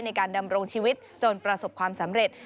ในการดำรงชีวิตจนประสบความสำเร็จ